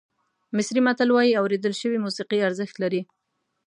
مصري متل وایي اورېدل شوې موسیقي ارزښت لري.